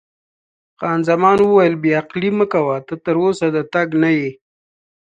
خان زمان وویل: بې عقلي مه کوه، ته تراوسه د تګ نه یې.